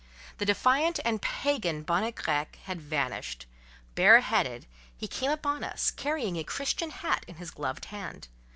The defiant and pagan bonnet grec had vanished: bare headed, he came upon us, carrying a Christian hat in his gloved hand.